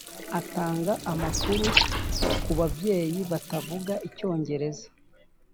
atanga amakuru ku babyeyi batavuga Icyongereza .